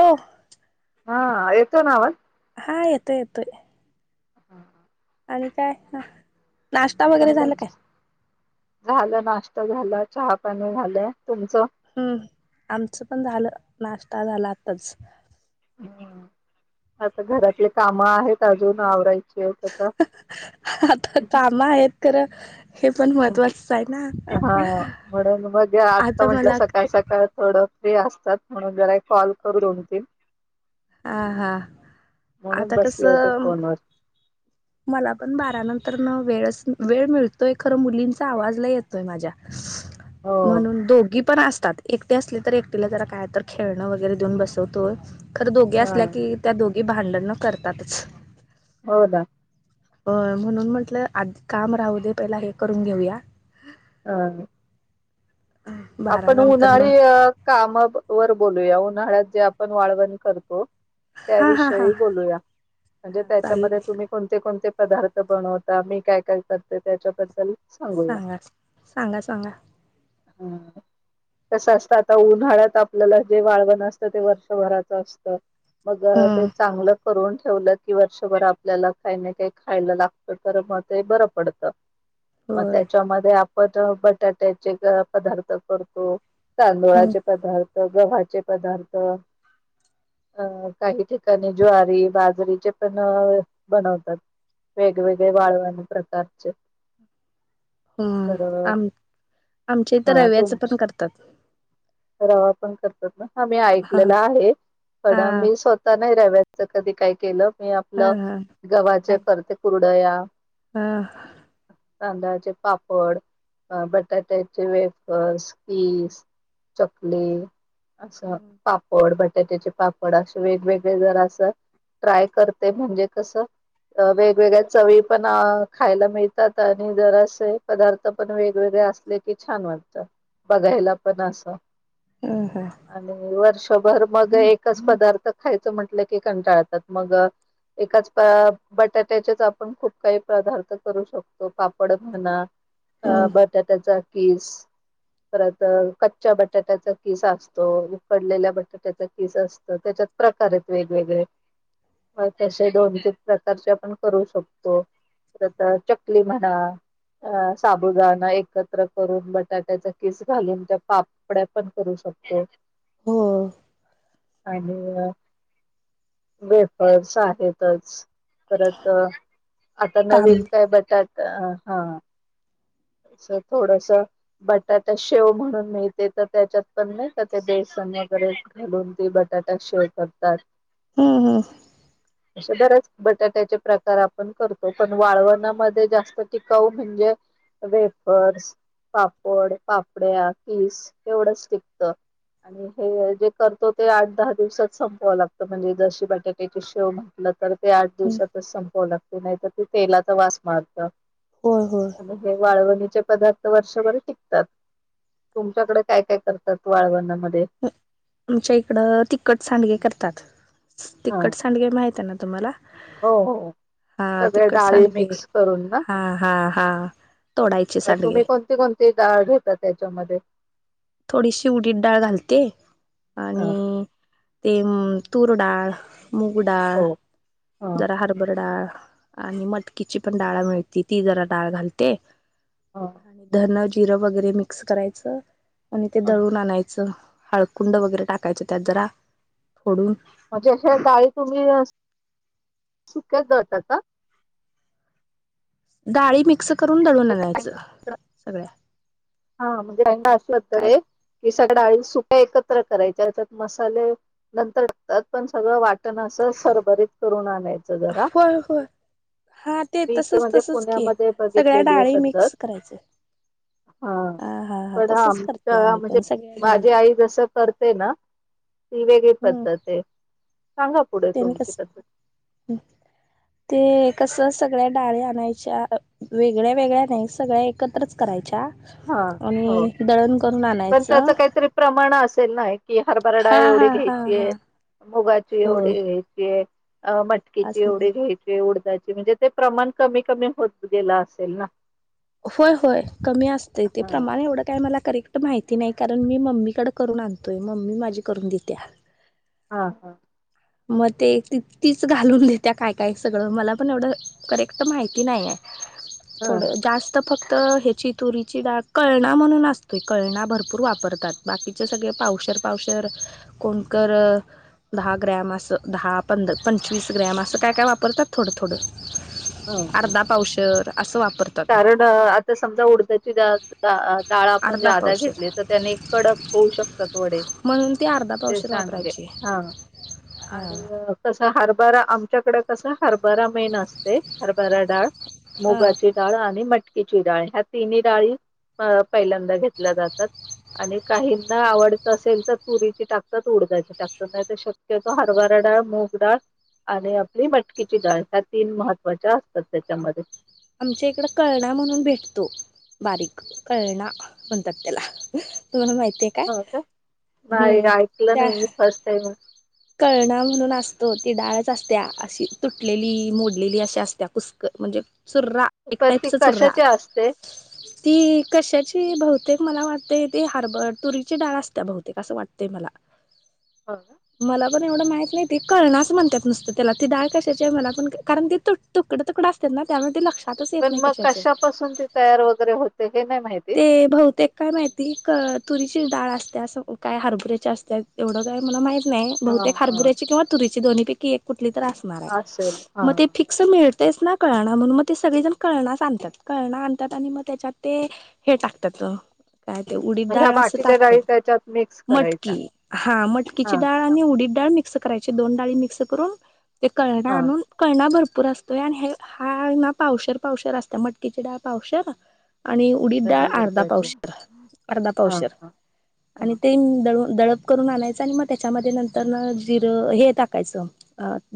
हो हा येतो ना आवाज हा येतोय येतोय हा हा आणि काय नाश्ता वगैरे झालं झाला काय झालं नाश्त झाला चहा पाणी झालं तुमच हम्म आमचं पण झालं नाश्ता झाला आताच ह आता घरातले काम आहेत अजून करायची आता काम आहेत खरं हे पण महत्त्वाचंच आहे ना हा म्हणून मग आत्ता आता म्हंटलं मला सकाळ सकाळ थोडं फ्री असतात म्हणून जरा कॉल करूनतील हा हा म्हणून आता बसले होते कसं फोनवर मला पण बाराानंतर न वेळच वेळ मिळतोय खरं मुलींचा आवाजला येतोय माझ्या हो म्हणून दोघी पण असतात एकटी असले तर एकटीला जरा काय तर खेळणं वगैरे देऊन बसवतोय खरं दोघे हा असल्या की त्या दोघी भांडण न करतातच होतात अ म्हणून म्हंटलं आदि काम राहू दे पहिला हे करून घेऊया हा बारा आपण नंतर न उन्हाळी कामा वर बोलूया उन्हाळ्यात जे आपण वाळवण करतो हा हा हा त्याविषयी बोलूया म्हणजे हा त्याच्या चालेल तुम्ही कोणते कोणते पदार्थ बनवता मी काय काय करते त्याच्याबद्दल सांगूया सांगा सांगा सांगा तसं असतं आता उन्हाळ्यात आपल्याला जे वाळवण असतं ते वर्षभराचं असत मग ते हम्म चांगलं करून ठेवलं की वर्षभर आपल्याला काही ना काही खायला लागत तर मग ते बरं पडत मग होय त्याच्यामध्ये आपण बटाट्याचे पदार्थ करतो हम्म तांदुळाचे पदार्थ गव्हाचे पदार्थ अ काही ठिकाणी ज्वारी बाजरीचे पण बनवतात वेगवेगळे वाळवाण प्रकारचे हम तर आम आमच्या तर हा रव्याच तुमच्या पण करतात रवा पण करतात ना ह मी हा ऐकलेला आहे हा पण मी स्वतः नाही रव्याचं कधी काय केलं मी हा आपलं हा गव्हाचे हा करते कुरडया हा तांदळाचे पापड अ बटाट्याचे वेफर्स कीस चकले असा हम्म पापड बट त्या त्याचे पापड असे वेगवेगळे जर असं ट्राय करते म्हणजे कसं अ वेगवेगळ्या चवी पण अ खायला मिळतात आणि जरासे पदार्थ पण वेगवेगळे असले की छान वाटत. बघायला पण असं हम्म आणि वर भर मग एकच पदार्थ खायचं म्हटलं की कंटाळतात मग एकाच पॅ बटाट्याच्याच आपण खूप काही पदार्थ करू शकतो पापड म्हणा अ हम्म बटाट्याचा कीस परत कच च्या बटाट्याचा किस असतो. उकडलेल्या बटाट्याचा किस असतो. त्याच्यात प्रकार आहेत वेगवेगळे [inaudible] म तसे दोन तीन प्रकारचे आपण करू शकतो. परत चकली म्हणा अ साबुदाणा एकत्र करून बटाट्याचा किस घालून त्या पाप पड्या पण करू शकतो. हो. आणि वेफर्स आहेतच. परत आता तांद नवीन काय बटाट हा अस थोडस बटाटा शेव म्हणून मिळते तर त्याच्यात पण नाही का ते बेस वगैरे घालून ते बटाटा शेव करतात. हूं हूं असे बरच बटाट्याचे प्रकार आपण करतो. पण वाळवणामध्ये जास्त टिकाऊ म्हण जे वेफर्स, पापड, पापड्या, कीस एवढंच टिकत. आणि हे जे करतो ते आठ दहा दिवसात संपवावं लागतं म्हणजे जशी बटाट्याची शेव म्हटल तर ते आठ हम्म दिवसातच संपावं लागतय नाहीतर ते तेलाचा वास मारत. हो हो आणि हे वाळवणीचे पदार्थ वर्षभर टिकतात. तुमच्याकडे काय काय करतात वाळवणामध्ये आमच्या इकडं तिखट सांडगे करतात. हा तिखट सांडगे माहित आहे ना तुम्हाला? हो हो हा सगळ्या तिकट डाळी सांडगेले मिक्स करून ना हा हा हा तोडायचे सांडगे तुम्ही कोणती कोणती डाळ घेता त्याच्यामध्ये थोडीशी उडीत डाळ घालते अ आणि ते तूरडाळ, मूग डाळ, हो अ जरा हरभर डाळ आणि मटकीची पण डाळ मिळती ती जरा डाळ घालते. अ आणि धन जिरं वगैरे मिक्स करायचं. आणि ते अ दळून आणायचं. हळकुंड वगैरे टाकायच त्यात जरा फोडून म्हणजे अशा डाळी तुम्ही चिकट दळता का? डाळी मिक्स करून दळूनं म्हणजे आणायच काही सगळ्या हा म्हणजे अशी वात काय रे की सगळ्या डाळी सुक्या एकत्र करायच्या त्यात मसाले नंतर टाकतात पण सगळं वाट ण असं सरभरीत करून आणायचं जरा होय होय हा ते मी इक तसच म्हणजे तसच की पुण्यामध्ये सगळ्या बघितलेली ये डाळी पद्धत मिक्स करायचे हा हा हा पण तसच करते आमच्या आम्ही म्हणजे पण सगळ्या डाळी माझी आई जस करते ना ती वेगळी पद्धत ये. तेन कस ते एक कसं सगळ्या डाळी आणायच्या वेगळ्या वेगळ्या नाही सगळ्या एकत्रच करायच्या. हा हो आणि दळण करून पण त्याच आणायचं काहीतरी प्रमाण अस सेल ना की हरभरडा हा डाळ एवढी हा हा हा घ्यायचीय मुगाची एवढी होय घ्यायची ये अ मटकीची असं एवढे घ्यायचीय उड म्हणजे ते प्रमाण कमी कमी होत गेलं असेल ना? होय होय कमी असतयं ते ह प्रमाण एवढं काय मला करेक् ट माहिती नाही कारण मी मम्मीकड करून आणतोय मम्मी माझी करून देत्या. हा हा मग ते त तीच घालून देत्या काय काय सगळं मला पण एवढं करेक्ट माहिती नाहीय ह थोडं जास्त फक्त तर हे चितुरीची डाळ कळणा म्हणून असतोय कळणा भरपूर वापरतात बाकीचे सगळे पावसाळ व कोण ग्रॅम असं दहा पंध पंचवीस ग्रॅम असं काय काय वापरतात थोडं थोडं ह ह अर्धा पावशर असं वापर कारण आता समजा उडद्याची डाळ आपण जे अर्धा आध पावशर घेतली तर त्याने कडक होऊ शकतात वडे म्हणून ती अर्धा ते पावशर सांगे वापरायची हा हा आणि कस हरभरा आमच्याकडे कसं हरभरा मेन असते हरभरा डाळ हा मुगाची डाळ आणि मटकीची डाळ ह्या तिन्ही डाळी पहिल्यांदा घेतल्या जातात आणि काहीना आवडत असेल तर तुरीची टाकतात उडजाची टाकतात नाही तर शक्यतो हरभार डळ मग डाळ आणि आपली मटकीची डाळ ह्या तीन महत्त्वाच्या असतात त्याच्यामध्ये आमच्या इकड कळणा म्हणून भेटतो बारीक कळणा म्हणतात त्याला तुम्हाला माहिती आहे हो काय का नाही हम्म ऐकलं त्या नाही मी फर्स्ट टाइम कळणा म्हणून असतो ती डाळच असत्या अशी तुटलेली मोडलेली अशा असत्या कुसक म्हणजे चुर्रा एक पण ती टाईपच चुर्रा कशाची असते ती कशाची भती प्र्येक मला वाटते ते हार्बर तुरीची डाळ असत बहुतेक असं वाटतेय मला हा मला पण एवढं माहित नाही ते कळणचं म्हणतात नसतं त्याला तीडळ कशाची आहे मला पण कारण ती तुट तुकड अस ना त्यामध्ये लक्ष ेत पण नाही मग क कशापासून ती तयार वगैरे होते हे नाही माहिती बहूतेक काय माहिती तुरीचीडाळ असतते त्यास काय हारबुऱ्याचे असतात एवढं काय म्हणा माहीत नाही हा बहुतेक हा हारबुऱ्याची किंवा तुरी ै कुठ तर असणार असेल हा मग ते फिक् मि तेच ना कळण म्हणून मग ते सगळेजण कळणच आणतात कळणं आणतात आणि मग त्याच्यात ते हे टाकतात काय ते उडी मग ह्या डाळ अस बाकीच्या टाकतात डाळी त्याच्यात मिक्स करायच्या मटकी हा म हा उडी डा मिक्स करायची दोन डाळी म्स करून क हा आण क भर भपूर असतोय आणि हा पावशर पावसर असत मटकीची डाळ पावसर आणि उडीद डाळ रवी अर्धा उडदाचे पावशर अर्धा हा पावशर हा आणि हा ते दळून दळप करून आणायचं आणि म त्याच्यामध्ये नंतर जिरं हे टाकायचं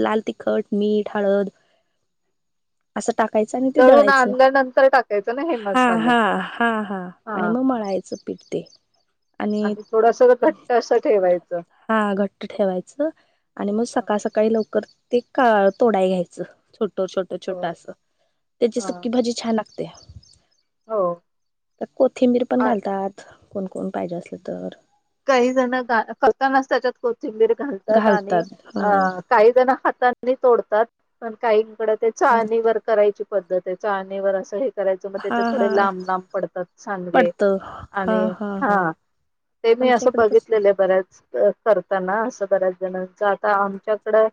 लाल तिखट मीठ हळद आ असं टाकायचं आणि ते दळून दळायचं आणल्यानंतर टाकायचं ना हे हा मसाले हा हा हा आणि मग मळाय याच पिडते आणि थोडस घट्ट असं ठेवायचं हा घट्ट ठेवायचं आणि मग हां. सकाळ सकाळी लवकर. ते का तोडाय घ्यायचं छोट छोट छोट हो असं त्याची हा सुकी भाजी छान हो कोथिंबीर पण आ घालतात. कोण कोण पाहिजे असलं तर. काही जण करतानाच त्याच्यात को चिबर घालतात आणि अ काही जण हातानी तोडतात पण काहीकडे. ते चाळणीवर करायची पद्धत आहे चाळणी व असं. करायच मग हा त्याच्या हा थोडे लांब लांब पडतात सांडगे आणि हा. ते मी आमच्या असं इकडे तस बघितलेलं बऱ्याच करताना असं बऱ्याच जणांच आता आमच्याकडं.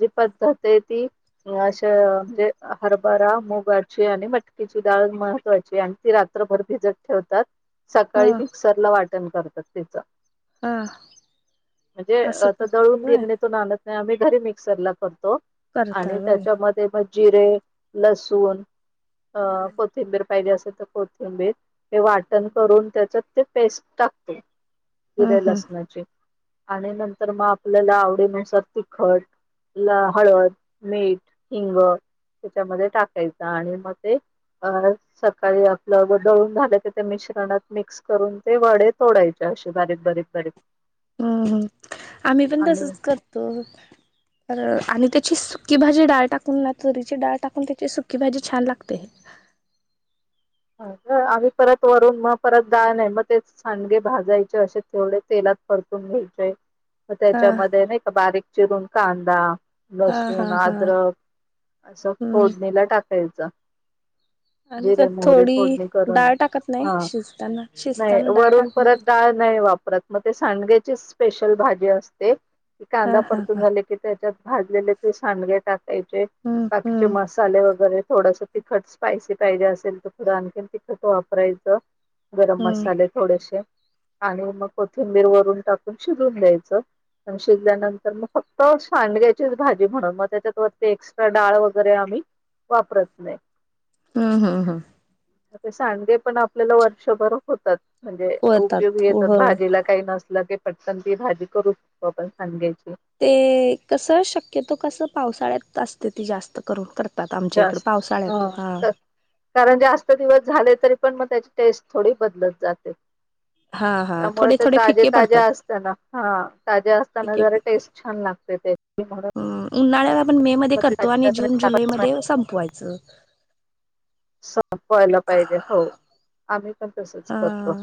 जी पद्धत आहे ती. अशं म्हणजे हरभरा मुगाची आणि मटकीची डाळ महत्त्वाची आणि ती राख. प्रभर भिजत ठेवतात हा सकाळी मिक्सरला वाटण करतात त्याच. हा म्हणजे असं आता दळून करतात वय गिरणे तूनणत नाही आम्ही घरी मिक्सरला करतो. करता आणि वय त्याच्यामध्ये मग जिरे लसूण. अ कोथिंबीर पाहिजे असेल तर कोथिंबीर हे वाटण करून त्याच. ते पेस्ट टाकते ह जिऱ्या ह लसणाची. आणि नंतर मग आपल्याला आवडीनुसार ति खट. हळद मीठ हिंग त्याच्यामध्ये टाकायचं आणि मग ते. अ सकाळी आपलं ग दळून झालं तर त्या मिश्रणात मिक्स करून ते वडे तोडायचे. अशी बारीक बारीक बारीक. हम्म् आम्ही पण आणि तसच करतो तर आणि ते. ची सुक्की भाजी डाळ टाकून ना तुरीची डाळ टाकून त्याची सुकी भाजी छान लागते. [unintelligible] आम्ही परत वरून मग परत डाळ नाही मग ते सांडगे भाजायचे असे तेथवढ तेला. परतून घ्यायचे हा त्याच्यामध्ये नाही का बारीक चिरून कांदा. हा हा लसूण हा आद्रक असं हम्म फोडणीला टाकायचं. आणि जिरे, त्यात मोहरी थोडी. फोडणी ी करून डाळ टाकत नाही हा शिजताना नाही शिजताना डाळ वरून टाकत नाही. परत डाळ नाही वापरत मग ते सांडग्याची स्पेशल भाजी असते. क हा कांदा हा परतून हा झाले की त्याच्यात भाजलेले ते सांडगे टाकायचे. हम्म बाकीचे हम्म मसाले वगैरे. थोडस तिखट स्पायसी पाहिजे असेल तर थोडं आणखीन तिखट वापरायचं. गरम हम्म मसाले थोडेसे आणि मग कोथिंबीर वरून टाकून शिजवून द्यायचं. प शिजल्यानंतर मग फक्त सांडग्याचीच भाजी म्हणून मग त्याच्यात वरती एक्स्ट्रा डाळ वगैरे आम्ही वापरत नाही हा हा हा सांडगे पण आपल्याला वर्षभर होतात म्हणजे होतात उपयोगी येतात होय. भाजीला काही नसलं की पटकन ती भाजी करू शकतो आपण सांडग्याची ते कस शक्यतो कस पावसाळ्यात असते ती जास्त करून कर आमच्या इकड जास्त पावसाळ्यात हा क- कारण जास्त दिवस झाले तरी पण मग त्याची टेस्ट थोडी बदलत जाते हा हा त्यामुळे थोडे ते थोडे ताजे फिके ताजे पडतात असताना हा ताज्या असताना फिके जरा फिके. टेस्ट छान लागते ते [unintelligible] उन्हाळ्या आपण मे मध्ये मग करतो ताजे आणि असताना जून चार पाच जुलैमध्ये महिने संपवायचं संपवायला पाहिजे हो आम्ही पण तसच हा करतो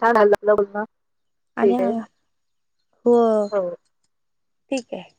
छान हल्लालं बोलना आणि हो हो ठीक आहे